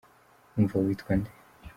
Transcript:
Umva witwa nde?